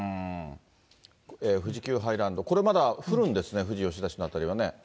富士急ハイランド、これまだ降るんですね、富士吉田市の辺りはね。